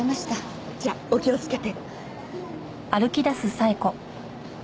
じゃあお気をつけて。